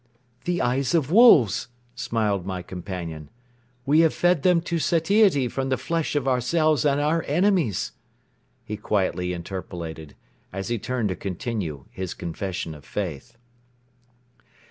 "The eyes of wolves," smiled my companion. "We have fed them to satiety from the flesh of ourselves and our enemies!" he quietly interpolated, as he turned to continue his confession of faith.